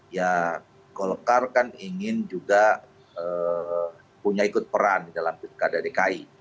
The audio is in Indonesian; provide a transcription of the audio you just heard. ya golkar kan ingin juga punya ikut peran di dalam pilkada dki